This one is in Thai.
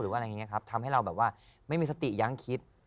อะไรอย่างนี้ครับทำให้เราแบบว่าไม่มีสติยังคิด